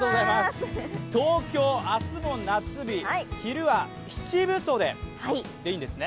東京、明日も夏日、昼は七分袖でいいんですね。